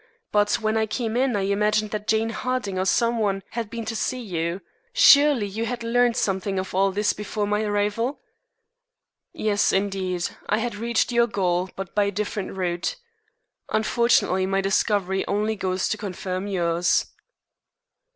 "But when I came in I imagined that Jane Harding or some one had been to see you. Surely, you had learned something of all this before my arrival?" "Yes, indeed. I had reached your goal, but by a different route. Unfortunately, my discovery only goes to confirm yours."